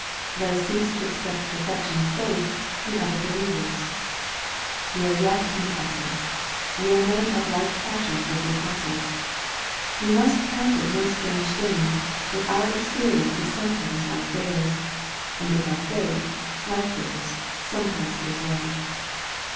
Let us cease to expect perfection of faith in other believers. We are yet in the body. We are men of like passions with the apostles. We must count it no strange thing, if our experience is sometimes like their's, and if our faith, like their's, sometimes gives way.